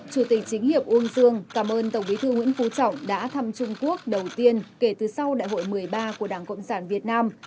chủ tịch chính hiệp uông dương cảm ơn tổng bí thư nguyễn phú trọng đã thăm trung quốc đầu tiên kể từ sau đại hội một mươi ba của đảng cộng sản việt nam